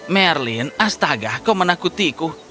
merlin astaga kau menakutiku